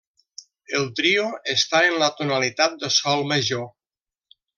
El Trio està en la tonalitat de sol major.